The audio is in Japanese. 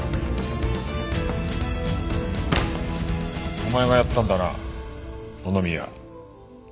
お前がやったんだな野々宮。